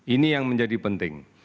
ini yang menjadi penting